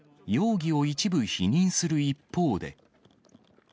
容疑を一部否認する一方で。